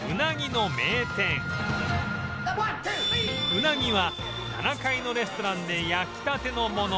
うなぎは７階のレストランで焼きたてのもの